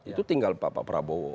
itu tinggal pak prabowo